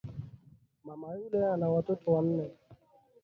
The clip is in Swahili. Mama yule ana watoto wanne